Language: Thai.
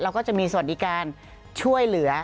เราก็จะมีสวัสดีการณ์ช่วยเหลือ